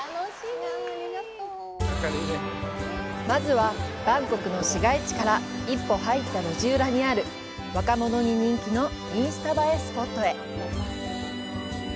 まずは、バンコクの市街地から一歩入った路地裏にある、若者に人気のインスタ映えスポットへ。